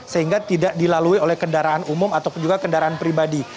sehingga tidak dilalui oleh kendaraan umum ataupun juga kendaraan pribadi